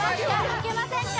いけませんか？